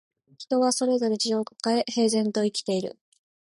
人はそれぞれ事情をかかえ、平然と生きている